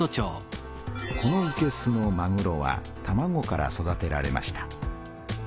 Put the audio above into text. このいけすのまぐろはたまごから育てられました。